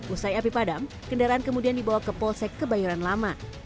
usai api padam kendaraan kemudian dibawa ke polsek kebayoran lama